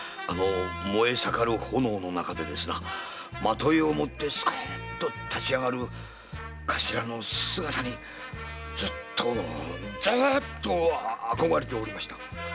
燃えさかる炎の中で纏を持ってスクッと立ち上がる頭の姿にずっとずーっと憧れておりました。